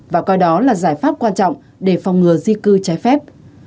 và coi đó là giải pháp quan trọng để phòng ngừa di cư trái phép